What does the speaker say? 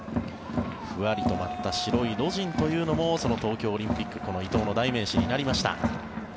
ふわりと舞った白いロジンというのも東京オリンピックでこの伊藤の代名詞になりました。